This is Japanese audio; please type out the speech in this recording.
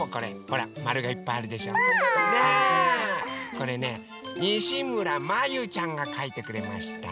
これねにしむらまゆちゃんがかいてくれました。